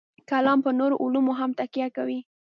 کلام پر نورو علومو هم تکیه کوي.